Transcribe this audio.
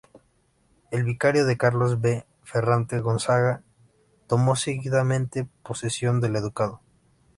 El vicario de Carlos V, Ferrante Gonzaga, tomó seguidamente posesión del ducado.